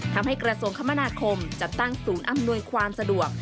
ทำให้กระทรวงคมนาคมจัดตั้งสูงอำนวยความสะดวก